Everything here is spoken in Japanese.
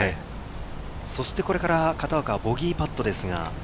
これから片岡はボギーパットですが。